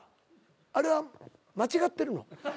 あれは間違ってるの？